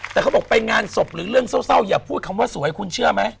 แต่เขาบอกไปงานศพหรือเรื่องเศร้าอย่าพูดคำว่าสวยคุณเชื่อไหม